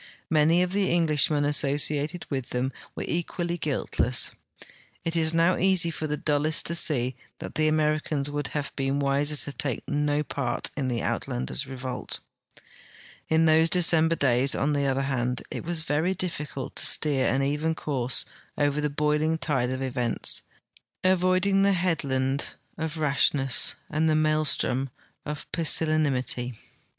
Many of the Englishmen asso ciated with them were equally guiltle.ss. It is now easy for the dullest to see that the Americans would have l>een wiser to take no part in the Uitlanders' revolt. In those Decemljer days, on tlie other hand, it was very diflicult to steer an even course over the boiling tide of events, avoiding the headland of Rashness and the maelstrom of Pusillanimity.